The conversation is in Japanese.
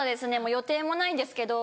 予定もないんですけど。